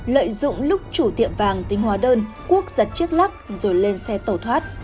lợi dụng lúc chủ tiệm vàng tính hóa đơn quốc giật chiếc lắc rồi lên xe tẩu thoát